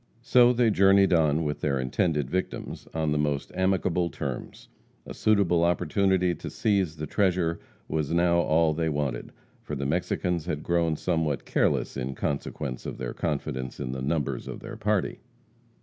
So they journeyed on with their intended victims on the most amicable terms. A suitable opportunity to seize the treasure was now all that they wanted, for the Mexicans had grown somewhat careless in consequence of their confidence in the numbers of their party.